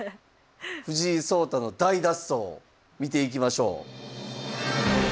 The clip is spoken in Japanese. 藤井聡太の大脱走を見ていきましょう。